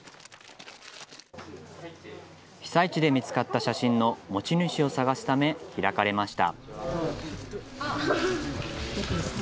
被災地で見つかった写真の持ち主を探すため開かれました。